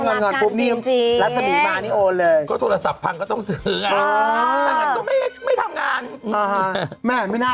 วันนี้ไปกันก่อนสวัสดีครับ